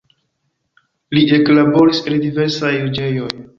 Li eklaboris en diversaj juĝejoj.